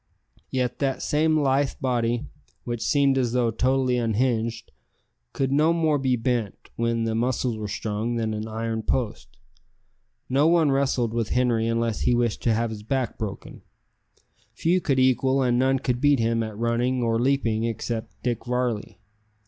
Yet that same lithe body, which seemed as though totally unhinged, could no more be bent, when the muscles were strung, than an iron post. No one wrestled with Henri unless he wished to have his back broken. Few could equal and none could beat him at running or leaping except Dick Varley.